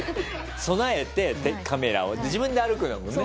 備えてカメラを自分で歩くんだもんね？